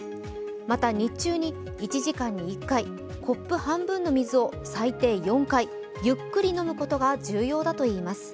また日中に１時間に１回、コップ半分の水を最低４回、ゆっくり飲むことが重要だといいます。